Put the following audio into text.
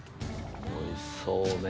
おいしそうね！